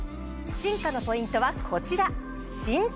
進化のポイントはこちら。